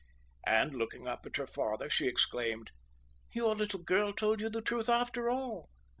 And looking up at her father, she exclaimed, "Your little girl told the truth after all."